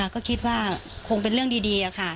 ก็คิดว่าคงเป็นเรื่องดีค่ะ